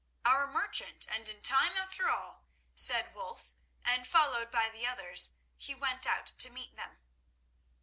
"Our merchant—and in time after all," said Wulf, and, followed by the others, he went out to meet them.